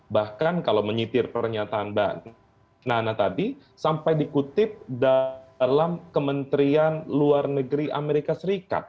bahkan kalau menyitir pernyataan mbak nana tadi sampai dikutip dalam kementerian luar negeri amerika serikat